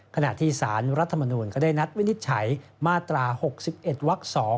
ขณะที่สารรัฐมนูลก็ได้นัดวินิจฉัยมาตรา๖๑วัก๒